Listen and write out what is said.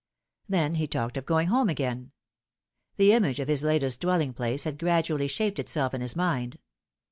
Then he talked of going home again. The image of his latest dwelling place had gradually shaped itself in his mind.